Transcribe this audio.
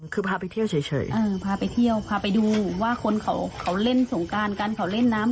คือพาไปเที่ยวเฉยเออพาไปเที่ยวพาไปดูว่าคนเขาเล่นสงการกัน